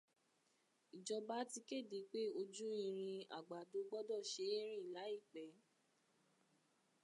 Ìjọba ti kéde pé ojú irin Àgbàdo gbọdọ̀ se é rìn láìpẹ́.